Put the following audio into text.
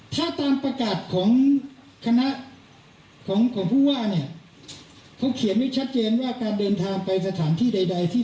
ถ้าตามประกาศของคณะของของผู้ว่าเนี่ยเขาเขียนไว้ชัดเจนว่าการเดินทางไปสถานที่ใดที่